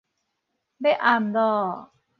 欲暗囉